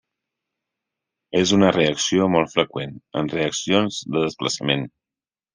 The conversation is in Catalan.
És una reacció molt freqüent en reaccions de desplaçament.